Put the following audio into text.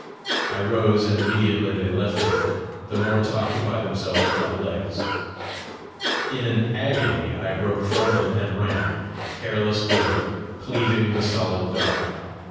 I rose, and immediately they left it, the more to occupy themselves with my legs. In an agony I broke from them and ran, careless whither, cleaving the solid dark.